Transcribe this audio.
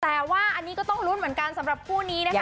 แต่ว่าอันนี้ก็ต้องลุ้นเหมือนกันสำหรับคู่นี้นะคะ